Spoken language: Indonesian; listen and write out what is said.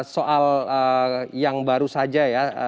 soal yang baru saja ya